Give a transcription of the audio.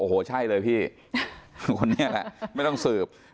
โอ้โหใช่เลยพี่คนนี้แหละไม่ต้องสืบ